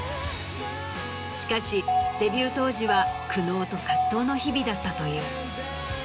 しかしデビュー当時は苦悩と葛藤の日々だったという。